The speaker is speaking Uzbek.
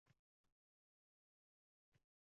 eng yuqori nuqtada uchayapmiz.